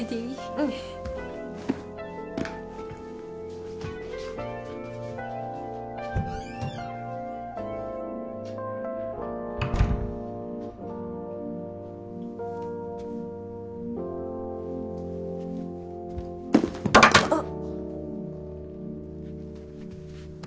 うん。あっ。